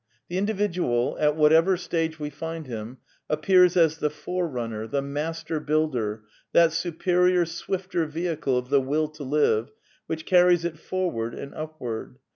The individual, at whatever stage we find him, appears as the forerunner, the master builder, that superior, swifter vehicle of the Will to live which carries it forward and upward.